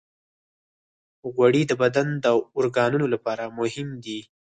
غوړې د بدن د اورګانونو لپاره مهمې دي.